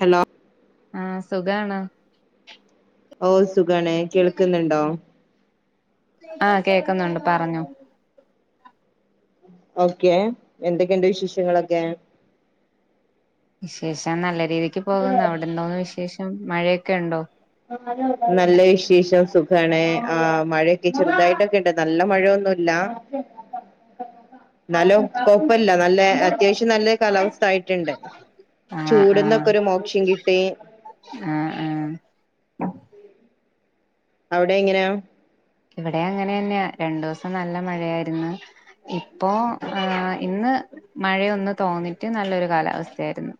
Hello ആഹ് സുഖാണോ ഓ സുഖാണേ കേൾക്കുന്നുണ്ടോ ആഹ് കേക്കുന്നുണ്ട് പറഞ്ഞോ ഓക്കെ എന്തൊക്കെയുണ്ട് വിശേഷങ്ങളൊക്കെ വിശേഷം നല്ല രീതിക്ക് പോകുന്നു അവിടെ എന്തോന്ന് വിശേഷം മഴയൊക്കെ ഉണ്ടോ. നല്ല വിശേഷം സുഖമാണ് ആ മഴയൊക്കെ ചെറുതായിട്ടൊക്കെ ഉണ്ട്. പക്ഷേ നല്ല മഴയൊന്നുമില്ല എന്നാലും കൊഴപ്പല്ല നല്ല അത്യാവശ്യം നല്ല കാലാവസ്ഥ ആയിട്ടുണ്ട് ആഹ് ആഹ് ചൂട്ന്നൊക്കെ ഒരു മോക്ഷം കിട്ടി. ആഹ് ആഹ് അവിടെ എങ്ങനെയാ ഇവിടെ അങ്ങനെ തന്നെയ രണ്ടു ദിവസം നല്ല മഴയായിരുന്നു. ഇപ്പോ ആ ഇന്ന് മഴയൊന്ന് തോർന്നിട്ട് നല്ലൊരു കാലാവസ്ഥയായിരുന്നു.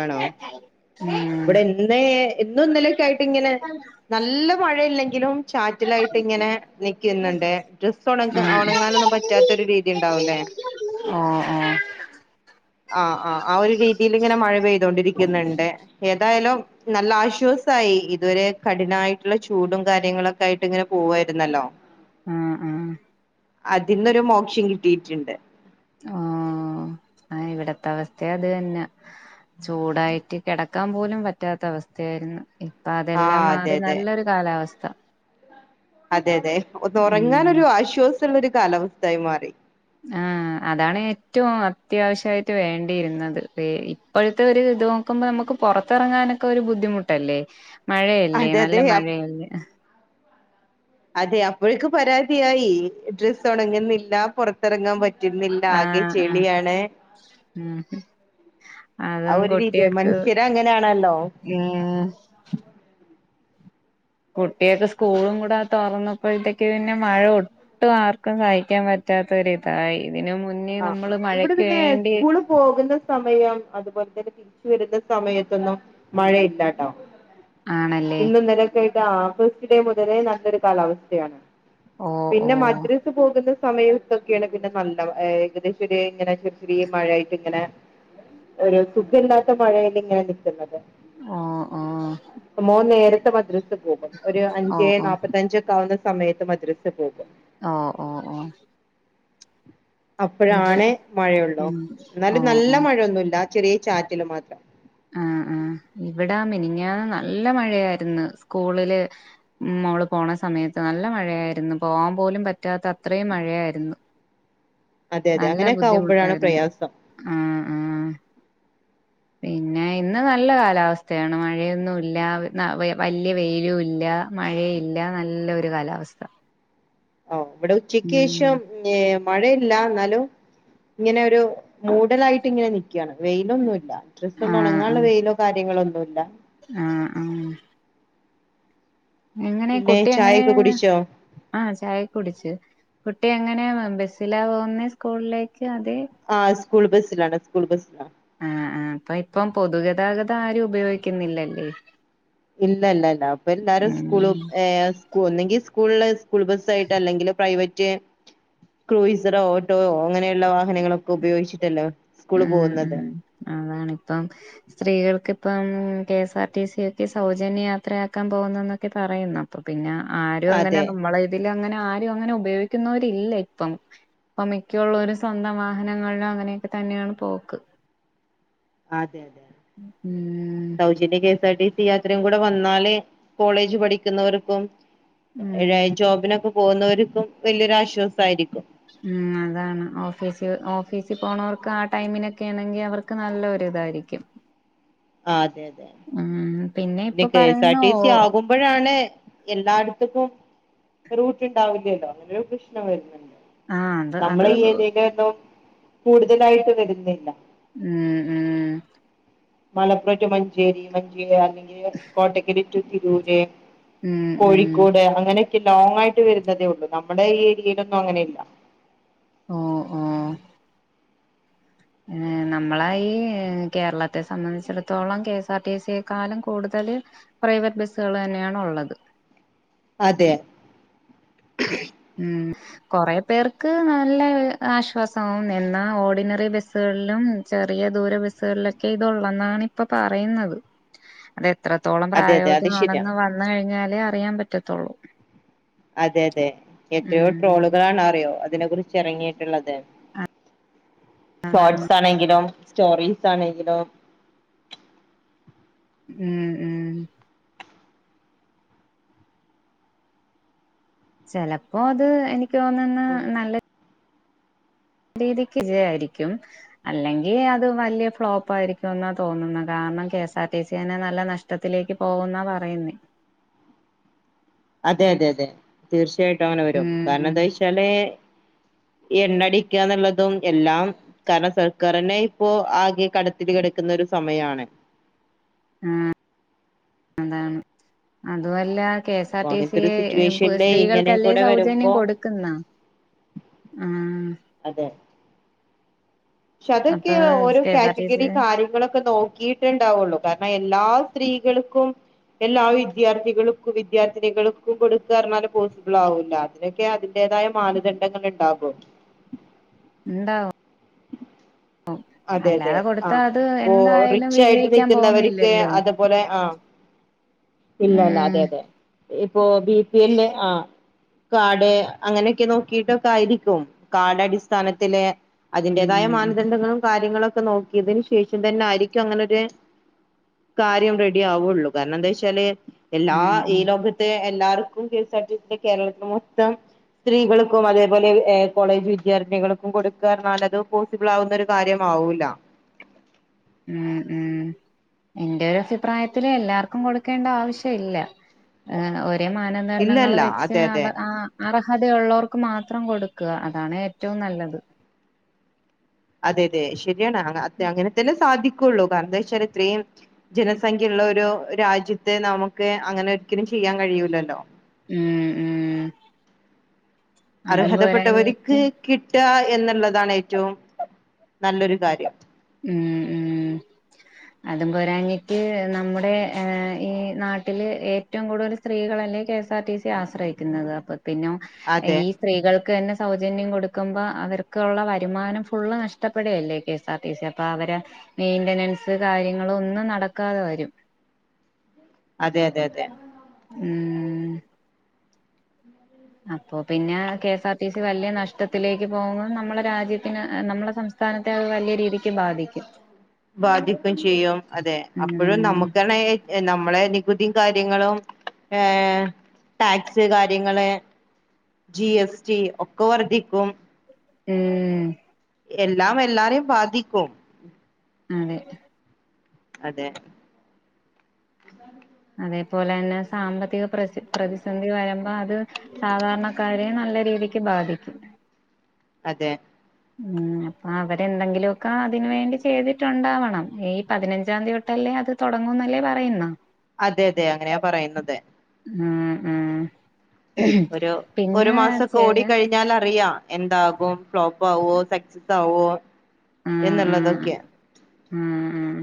ആണോ ഉം ഇവിടെ ഇന്നേ ഇന്നും ഇന്നലൊക്കെയായിട്ട് ഇങ്ങനെ നല്ല മഴയില്ലെങ്കിലും ചാറ്റിലായിട്ട് ഇങ്ങനെ നിക്കുന്നുണ്ട് ഡ്രസ്സ് ഉണ ആഹ് ഉണങ്ങാനൊന്നും പറ്റാത്ത ഒരു രീതി ഉണ്ടാവുല്ലേ. ആഹ് ആഹ് ആഹ് ആഹ് ആ ഒരു രീതിയിൽ ഇങ്ങനെ മഴ പെയ്തൊണ്ടിരിക്കുന്നുണ്ട് ഏതായാലും നല്ല ആശ്വാസമായി ഇതുവരെ കഠിനമായിട്ടുള്ള ചൂടും കാര്യങ്ങളൊക്കെ ആയിട്ട് ഇങ്ങനെ പോവായിരുന്നല്ലോ. ആഹ് ആഹ് അതിന്നൊരു മോക്ഷം കിട്ടിയിട്ടുണ്ട്. ആ ഇവിടത്തെ അവസ്ഥ അത് തന്നെ ചൂടായിട്ട് കിടക്ക ക്കാൻ പോലും പറ്റാത്ത അവസ്ഥയായിരുന്നു ഇപ്പൊ അതെല്ലാം ആഹ് അതെ മാറി അതെ നല്ലൊരു കാലാവസ്ഥ. അതെ അതെ ഒന്ന് ഉം ഉറങ്ങാൻ ഒരു ആശ്വാസമുള്ള ഒരു കാലാവസ്ഥായി മാറി. ആ അതാണ് ഏറ്റവും അത്യാവശ്യമായിട്ട് വേണ്ടിയിരുന്നത്. ഇപ്പോഴത്തെ ഒരു ഇത് നോക്കുമ്പോ നമുക്ക് പുറത്തിറങ്ങാനൊക്കെ ഒരു ബുദ്ധിമുട്ടല്ലേ. മഴയല്ലേ അതെ അതെ നല്ല അപ്- മഴയല്ലേ അതെ അപ്പോഴക്ക് പരാതിയായി ഡ്രസ്സ് ഒണങ്ങുന്നില്ല പുറത്തിറങ്ങാൻ പറ്റു പറ്റുന്നില്ല ആകെ ആഹ് ആഹ് ചെളിയാണ്. ഉം ആ അതും ഒരു രീതി മനുഷ്യര് അങ്ങനെയാണല്ലോ ഏഹ് കുട്ടിയൾക്ക് സ്കൂളും കൂടെ തുറന്നപ്പോഴത്തേക്ക് പിന്നെ മഴ ഒട്ടും ഒട്ടും ആർക്കും സഹിക്കാൻ പറ്റാത്തൊരിതായി ഇതിന് മുന്നേ ആഹ് നമ്മള് ആഹ് ഇവിടെ മഴക്ക് പിന്നെ വേണ്ടി സ്കൂള് പോകുന്ന സമയം അതുപോലെ തന്നെ തിരിച്ചു വരുന്ന സമയത്തൊന്നും മഴ ഇല്ലാട്ടോ ആണല്ലേ ഇന്ന് ഇന്നെലക്കായിട്ട് ആ ഫസ്റ്റ്ഡേ മുതലേ നല്ലൊരു കാലാവസ്ഥയാണ്. ഓ ഓ പിന്നെ മദ്രസ് പോകുന്ന സമയം ഇതൊക്കെയാണ് പിന്നെ നല്ല ഏകദേശ ഒരു ചെറി ചെറി മഴയായിട്ട് ഇങ്ങനെ ഒരു സുഖല്ലാത്ത മഴയിൽ ഇങ്ങനെ നിൽക്കുന്നത്. ആഹ് ആഹ് മോന് നേരത്തെ മദ്രസ് പോകും ഒരു ഓ അഞ്ചേ ഓ നാപ്പത്തിയഞ്ച് ഒക്കെ ആവുന്ന സമയത്ത് മദ്രസിൽ പോകും ആഹ് ആഹ് ആഹ് ആഹ് അപ്പഴാണ് മഴയുള്ളൂ ഉം ഓ ഇന്നാലും നല്ല ഓ മഴയൊന്നുല്ല ചെറിയ ചാറ്റല് മാത്രം ആഹ് ആഹ് ഇവിടാ മിനിഞ്ഞാന്ന് നല്ല മഴയായിരുന്നു സ്കൂള്ല് ഉം മോള് പോണ സമയത്ത് നല്ല മഴയായിരുന്നു പോവാൻ പോലും പറ്റാത്ത അത്രയും മഴയായിരുന്നു. അതെ അതെ നല്ല അങ്ങനെയൊക്കെ ആവുമ്പോഴാണ് ബുദ്ധിമുട്ടായിരുന്നു പ്രയാസം. ആഹ് ആഹ്. പിന്നെ ഇന്ന് നല്ല കാലാവസ്ഥയാണ് മഴയൊന്നുല്ല ന്ന വലൃയ വെയിലുല്ല. മഴയില്ല, നല്ലൊരു കാലാവസ്ഥ. ഓ, ഇവിടെ ഉം ഉച്ചയ്ക്കെഷം ഞെ മഴയില്ലാ, ന്നാലും ഇങ്ങെനെരു മൂടലായിട്ട് ഇങ്ങനെ നിക് ക്കണ് വെയിലൊന്നുല്ലാ. ഡ്രസെന്നും ആഹ് ഒണങ്ങാള്ള ആഹ് വെയിലോ കാര്യങ്ങളോ ഒന്നുല്ലാ. ആഹ് ആഹ് എങ്ങനെ, പിന്നെ കുട്ടി ചായൊക്കെ എങ്ങനെണ്. കുടിച്ചോ? ആഹ് ചായ കുടിച്ച്. കുട്ടി എങ്ങനെ, ബെസ്സിലാ പോകുന്നെ സ്കൂളിലേക്ക് അതെ ആഹ് സ്കൂൾ ബസ്സിലാണ് സ്കൂൾ ബസ്സിലാണ്. ആഹ്, ആഹ് ഇപ്പം. പൊതുഗതാഗതം ആരും ഉപയോഗിക്കുന്നില്ല ല്ലേ. ഇല്ല, ല്ല ല്ലാ പ്പൊ എല്ലാരും സ്കൂളു ഉം ഏ... സ്കൂ ഒന്നെങ്കി സ്കൂൾല് സ്കൂൾ ബസ്സായിട്ട് അല്ലെങ്കിൽ ഫ്രൈവറ്റ് ക്രൂയിസറോ, ഓട്ടോ അങ്ങനെയുള്ള വാഹനങ്ങളൊക്കെ ഉപയോഗിച്ചിട്ടല്ലെ സ്കൂൾല് ഉം പോകുന്നത്. അതാണിപ്പം സ്ത്രീകൾക്ക് ഇപ്പം K. S. R. T. C. ഒക്കെ സൗജന്യ യാത്രയാക്കാൻ പോകുന്നു എന്നൊക്കെ പറയുന്നു. പ്പ പിന്നെ ആരും അങ്ങനെ അതെ നമ്മളെ തില് അങ്ങനെ ആരും അങ്ങനെ ഉപയോഗിക്കുന്നേരില്ലപ്പം. പ്പ മിക്കള്ളോരും സ്വന്തം വാഹനങ്ങളിലും അങ്ങനെയൊക്കെ തന്നെയാണ് പോക്ക്. അതെ ഉം സൗജന്യ K. S. R. T. C. യാത്രയും കൂടെ വന്നാല് കോളേജ് പഠിക്കുന്നവർക്കും ഉം ഏഴാ ജോബിനൊക്കെ പോകുന്നവർക്കും വലിയൊരാശ്വാസായിരിക്കും. ഉം, അതാണ് ഓഫീസി, ഓഫീസീ പോണേർക്ക് ആ ടൈമിനൊക്കെണെങ്കി അവർക്ക് നല്ലൊര്തായിരിക്കും. [inaudible] ആഹ്, അതെ, അതെ, നി ഇപ്പൊ ക്കെ. എസ്. ആർ. പറയുന്ന ടി. ഓ സി. ആകും ഇപ്പഴാണ് എല്ലാട്ത്ത്ക്കും റൂട്ട് ണ്ടാവില്ലല്ലോ അങ്ങനെരു പ്രശ്നം വരുന്നുണ്ട്. ആഹ് അത് അത് നമ്മളെ ഈ ഏരിയെലെന്നും കൂടുതലായിട്ട് വരുന്നില്ല. ഉം ഉം മലപ്പുറം റ്റു മഞ്ചേരി, മഞ്ചേരി, [unintelligible] കോട്ടക്കല് റ്റൂ തിരൂര്, ഉം ഉം കോഴിക്കോട്, അങ്ങനെ ച്ച് ലോങ്ങായിട്ട് വരുന്നതേള്ളൂ. നമ്മടെ ഈ ഏരൃല് ഒന്നും അങ്ങനെ ഇല്ല. ഓ ആഹ് നമ്മളെ ഈ, കേരളത്തെ സംബന്ധിച്ചിടത്തോളം K. S. R. T. C. യെക്കാളും കൂടുതല് പ്രൈവറ്റ് ബസ്സുകൾ തന്നെയാണ് ഉള്ളത്. അതെ ഉം കൊറെ പേർക്ക് നല്ല ആശ്വാസാവും എന്നാ ഓർഡിനറി ബസ്സുകളിലും ചെറിയ ദൂര ബസുകളിലൊക്കെ ഇതെ ഒള്ളെന്നാണ് ഇപ്പ പറയുന്നത് അത് എത്രത്തോളം അതെ അതെ അത് ശരിയാണ് പ്രായോഗികമാണെന്ന് വന്ന് കഴിഞ്ഞാലേ അറിയാൻ പറ്റത്തൊള്ളു അതെ അതെ എത്രയോ ഉം ട്രോളുകളാണറിയോ അതിനെ കുറിച്ച് എറങ്ങിയിട്ടുള്ളത് അതാണ് ഷോട്സ് ആണെങ്കിലും സ്റ്റോറീസ് ആണെങ്കിലും ഉം ഉം ചെലപ്പോ അത് എനിക്ക് തോന്നുന്ന് നല്ല രീതിക്ക് വിജയം ആയിരിക്കും അല്ലെങ്കി അത് വല്യ ഫ്ലോപ്പായിരിക്കുന്നാ തോന്നുന്ന് കാരണം K. S. R. T. C. ന്നെ നല്ല നഷ് ട്ടത്തിലേക്ക് പോകുന്നാ പറയുന്നേ അതെ അതെ അതെ തീർച്ച ആയിട്ടും അങ്ങനെ വെരും കാരണം ഉം എന്താച്ചാല് ഈ എണ്ണടിക്കാന്നുള്ളതും എല്ലാം കാരണം സർക്കാറെന്നെ ഇപ്പൊ ആകെ കടത്തിൽ കിടക്കുന്നൊരു സമയാണ് ആഹ് അതാണ് അതുവല്ല കെ എസ് ആർ അപ്പൊ ടി അങ്ങനത്തെ സി ഒരു യെ സിറ്റുവേഷനില് ഇങ്ങനെ സ്ത്രീകൾക്കല്ലേ കൂടെ സൗജന്യം വരുമ്പോ കൊടുക്ക ക്കുന്ന ആഹ് അതെ പക്ഷെ അതെക്കെ അപ്പൊ ഓരോ K S R T C category കാര്യങ്ങളെക്കെ നോക്കി ട്ടേ ഇണ്ടാവുള്ളൂ കാരണം എല്ലാ സ്ത്രീകൾക്കും എല്ലാ വിദ്യാർത്ഥികൾക്കും വിദ്യാർത്ഥിനികൾക്കും കൊടുക്ക പറഞ്ഞാല് പോസിബിള് ആവൂലാ അതിനൊക്കെ അതിന്റേതായ മാനദണ്ഡങ്ങള് ഇണ്ടാകും ഇണ്ടാവും വും അതെ അതെ അല്ലാതെ ആ കൊടുത്താ അത് ഇപ്പോ എന്തായാലും റിച്ച് ആയിട്ട് വിജയിക്കാൻ നിൽക്കുന്നവർക്ക് പോന്നില്ലല്ലോ ഇല്ലല്ല അതെ അതെ ഇപ്പൊ ബി പി എല്ല് ആഹ് കാഡ് അങ്ങനെയൊക്കെ നോക്കിട്ടൊക്കെ ആയിരിക്കും കാഡടിസ്ഥാനത്തില് ഉം അതിന്റേതായ ഉം മാനദണ്ഡങ്ങളും കാര്യങ്ങളൊക്കെ നോക്കിയതിന് ശേഷം തന്നെ ആയിരിക്കും അങ്ങനൊരു കാര്യം റെഡി ആവുള്ളൂ കാരണം എന്താ വെച്ചാല് എല്ലാ ഉം ഈ ഉം ലോക ത്തെ എല്ലാർക്കും K S R T C ന് കേരളത്തിന് മൊത്തം സ്ത്രീകൾക്കും അതേപോലെ ഏഹ് കോളജ് വിദ്യാർത്ഥികൾക്കും കൊടുക്കാറഞ്ഞാൽ അത് പോസിബിളാവുന്നൊരു കാര്യം ആവൂല ഉം ഉം എന്റെ ഒരു അഭിപ്രായത്തില് എല്ലാർക്കും കൊടുക്കേണ്ട ആവശ്യം ഇല്ല ഒരേ മാന ദണ്ഡങ്ങൾ ഇല്ലല്ല വെച്ച് അതെ അതെ അവർ ആഹ് അർഹതയൊള്ളോർക്ക് മാത്രം കൊടുക്ക അതാണ് ഏറ്റവും നല്ലത് അതെ അതെ ശരിയാണ്. അ അങ്ങനെ തന്നെ സാധിക്കൊള്ളൂ കാരണം എന്താ വെച്ചാല് ഇത്രേയും ജനസംഖ്യ ഉള്ള ഒരു രാജ്യത്തെ നമുക്ക് അങ്ങനെ ഒരിക്കലും ചെയ്യാൻ കഴിയൂലല്ലോ ഉം ഉം അതും പോരാഞ്ഞിട്ട് അർഹതപ്പെട്ടവരിക്ക് കിട്ടാ എന്നുള്ളതാണ് ഏറ്റവും നല്ലൊരു കാര്യം ഉം ഉം അതും പോരാഞ്ഞിട്ട് നമ്മുടെ ഏഹ് ഈ നാട്ടില് ഏറ്റവും കൂടുതല് സ്ത്രീകളെല്ലേ K S R T C യെ ആശ്രയിക്കുന്നത് അപ്പൊ പിന്നൊ അതെ ഈ സ്ത്രീകൾക്ക് തന്നെ സൗജന്യം കൊടുക്കുമ്പോ അവർക്കൊള്ള വരുമാനം ഫുള്ള് നഷ്ടപ്പെടുകയല്ലേ K S R T C അപ്പോ അവരെ മെയിന്റെനൻസ് കാര്യങ്ങളൊന്നും നടക്കാതെ വെരും അതെ അതെ അതെ ഉം അപ്പൊ പിന്നെ K S R T C വല്യ നഷ്ടത്തിലേക്ക് പോകുമ്പം നമ്മളെ രാജ്യത്തിന് നമ്മെളെ സംസ്ഥ ആ സ്ഥാനത്തെ അത് വല്യ രീ ബാധിക്കും ചെയ്യും. അതെ അപ്പഴും ഉം നമ്മെക്ക ക്കണേ നമ്മെളെ നികുതിയും കാര്യങ്ങളും. ഏഹ്. ടാക്സ് കാര്യങ്ങള്. ജി എസ് ടി ഒക്കെ വർധിക്കും. ഉം എല്ലാം എല്ലാരെയും ബാധിക്കും. അതെ അതെ [unintelligible] അതേപോലെന്നെ സാമ്പത്തിക പ്രസി പ്രതിസന്ധി വെരുമ്പം അത്. സാധാരണക്കാരെ നല്ല രീതിക്ക് ബാധിക്കും. അതെ ഉം. അപ്പൊ അവരെന്തെങ്കില്വക്കെ അതിന് വേണ്ടി ചെയ്തിട്ടുണ്ടാവണം. മെയ് പതിനെഞ്ചാംതി തൊ ട്ടല്ലെ അത് തൊടങ്ങുന്നല്ലേ പറയുന്ന്. അതെ അതെ അങ്ങനെയാ പറയുന്നത്. ഉം. ഉം. പിന്നെ വെച്ചേന്. ഞാനറിയ പഎന്താകും ഫ്ലോപ്പാവോ സക്സസാവോ. എന്നുള്ളതൊക്കെ ഉം ഉം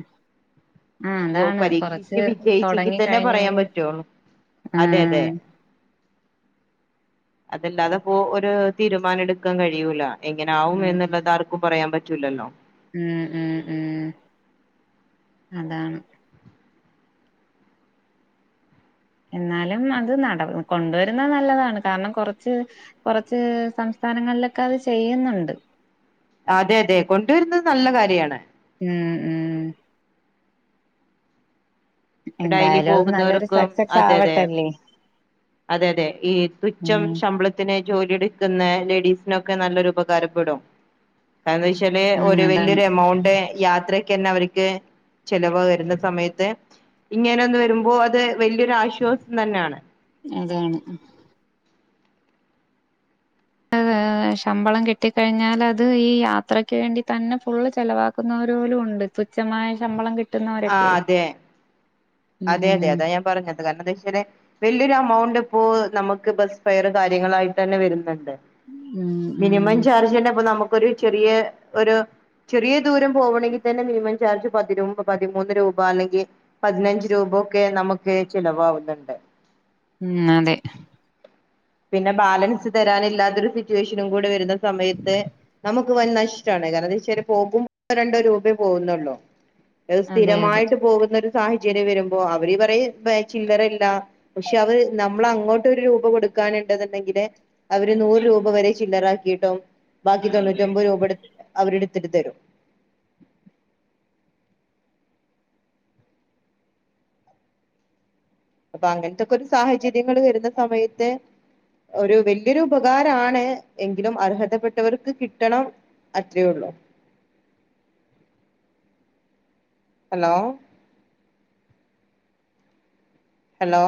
ഓ പരീക്ഷക്ക് വിജയിച്ചെങ്കിൽ തൊടങ്ങി തന്നെ പറയാൻ കഴിഞ്ഞാല് പറ്റൊള്ളു. അതെ അതെ ആഹ് അതല്ലാതെപോ ഒരു തീരുമാനം എടുക്കാൻ കഴിയൂല. എങ്ങനാവും ഉം എന്നുള്ളത് ആർക്കും പറയാൻ പറ്റൂലല്ലോ. ഉം. ഉം. ഉം. അതാണ്. എന്നാലും അത് നട കൊണ്ടോരുന്നത് നല്ലതാണ്. കാര്ണം കൊറച്ച് കൊറച്ച് സംസ്ഥാനങ്ങളിലൊക്കെ അത് ചെയ്യുന്നുണ്ട്. അതെ അതെ. കൊണ്ടുവരുന്നത് നല്ല കാര്യാണ്. ഉം ഉം ഡെയിലി എന്തായാലും അത് നല്ലൊരു പോകുന്നവർക്കും. സക്സസ് അതെ അതെ. ആവട്ടല്ലേ അതെ അതെ. ഈ തുച്ഛം ഉം ശമ്പളത്തിന് ജോലിയെടുക്കുന്ന ലേഡീസിനൊക്കെ നല്ലൊരു ഉപകാരപ്പെടും. കാരണന്താച്ചാല് ആഹ് ഒരു അതാണ് വല്യെരു എമൗണ്ട് യാത്ര ക്കെന്നെ അവര്ക്ക് ചെലവ് വെരുന്ന സമയത്ത് ഇങ്ങനെ ഒന്ന് വരുമ്പോ അത് വല്യാെരു ആശ് ശ്വാസ് തന്നെ ആണ്. അതാണ് ആതാ ശമ്പളം കിട്ടിക്കഴിഞ്ഞാല് അത് ഈ യാത്രയ്ക്ക് വേണ്ടി തന്നെ ഫുള്ള് ചെലവാക്കുന്നവർ പോലൂണ്ട്. തുച്ഛമായ ശമ്പളം കിട്ട് ആഹ് അതെ. അതെ അതെ ഉം അതാ ഞാൻ പറഞ്ഞത്. കാരണം എന്താ വെച്ചാല്. വെല്യെരു എമൗണ്ട് ഇപ്പോ നമുക്ക് ബസ് ഫെയറ് കാര്യങ്ങളായിട്ടെന്നെ വരുന്ന്ണ്ട്. തെ ഉം ഉം മിനിമം ചാർജെന്നെ ഇപ്പൊ നമുക്കൊരു ചെറിയ ഒരു ചെറിയ ദൂരം പോകണെങ്കിതന്നെ മിനിമം ചാർജ് പതിമ്പ് പതിമൂന്ന് രൂപ അല്ലെങ്കിൽ പതിനഞ്ച് രൂബൊക്കെ നമുക്ക് ചിലവാവുന്നുണ്ട്. ഉം അതെ പിന്നെ ബാലൻസ് തരാനില്ലാത്തൊരു സിറ്റുവേഷനും കൂടെ വരുന്ന സമയത്ത്. നമുക്ക് വൻ നഷ്ടാണ് കാരണം എന്താച്ചാൽ പോകും രണ്ടോ രൂപേ പോകുന്നുള്ളു ഹ് അതെ അതെ സ്ഥിരമായിട്ട് പോകുന്ന ഒരു സാഹചര്യം വരുമ്പോ അവര് പറയും പേ ചില്ലറയില്ല പക്ഷെ അത് നമ്മള് അങ്ങോട്ടൊരുരൂപ കൊട് ടുക്കാനുണ്ട്എന്നുണ്ടെങ്കില് അവര് നൂറ് രൂപ വരെ ചില്ലറാക്കിയിട്ടോ ബാക്കി തൊണ്ണൂറ്റിഒമ്പത് രൂപ എട് അവരെടുത്തിട്ട് തരും അപ്പൊ അങ്ങനത്തെക്കെ ഒരു സാഹചര്യങ്ങള് വരുന്ന സമയത്ത് ഒരു വെലിയൊരു ഉപകാരാണ് എങ്കിലും അർഹതപ്പെട്ടവർക്ക് കിട്ടണം അത്രഉള്ളൂ ഹലോ ഹലോ